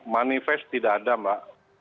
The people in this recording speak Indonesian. manifest tidak ada mbak